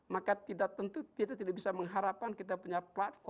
maka tidak tentu kita tidak bisa mengharapkan kita punya platform